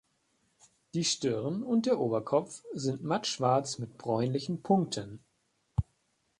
Die Stirn und der Oberkopf sind mattschwarz mit bräunlichen Punkten.